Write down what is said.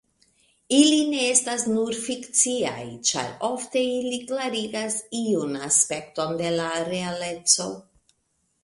Ili ne estas nur fikciaj, ĉar ofte ili klarigas iun aspekton de la realeco.